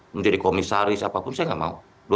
menjadi komisaris apapun saya nggak mau